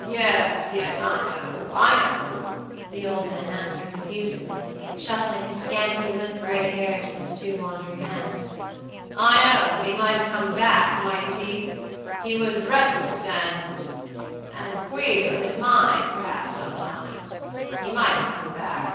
"Yes, yesI know, I know," the old man answered, confusedly, shuffling his scanty limp gray hairs with his two wandering hands"I know; but he might have come backmightn't he? He was restless, andandqueer in his mind, perhaps, sometimes. He might have come back."